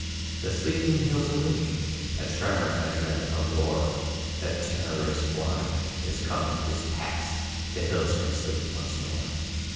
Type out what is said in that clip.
The sleeping hills awake; A tremor, a dread, a roar; The terror is flying, is come, is past; The hills can sleep once more.